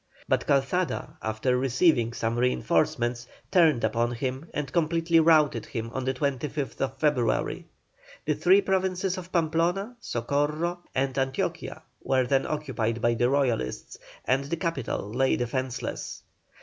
But Calzada, after receiving some reinforcements, turned upon him and completely routed him on the 22nd February. The three Provinces of Pamplona, Socorro, and Antioquia were then occupied by the Royalists, and the capital lay defenceless.